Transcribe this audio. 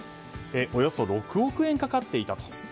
およそ６億円かかっていたと。